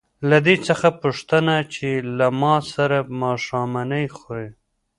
له دې څخه وپوښته چې له ما سره ماښامنۍ خوري.